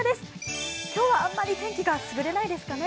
今日は、あまり天気がすぐれないですかね。